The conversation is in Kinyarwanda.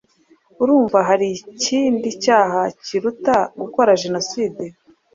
urumva hari ikindi cyaha kiruta gukora jenoside?